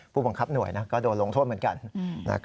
ผู้บังคับหน่วยก็โดนลงโทษเหมือนกัน